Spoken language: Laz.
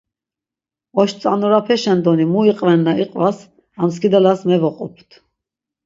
Oştzanurapeşen doni mu iqvenna iqvas am skidalas mevoqupt.